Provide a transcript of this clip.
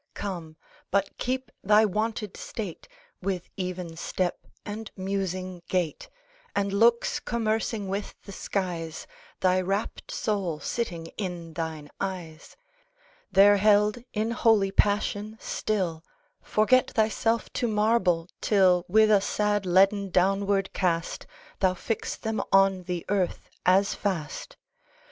Come; but keep thy wonted state, With even step, and musing gait, And looks commercing with the skies, Thy rapt soul sitting in thine eyes: There, held in holy passion still, Forget thyself to marble, till With a sad leaden downward cast Thou fix them on the earth as fast.